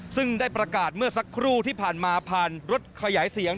ซึ่งได้ประกาศเมื่อสักครู่ที่ผ่านมาผ่านรถขยายเสียง